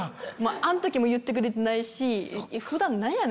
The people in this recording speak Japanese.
あん時も言ってくれてないし普段。